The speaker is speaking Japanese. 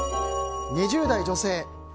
２０代女性。